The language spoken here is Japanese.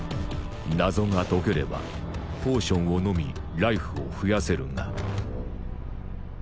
謎が解ければポーションを飲みライフを増やせるが「２５２５」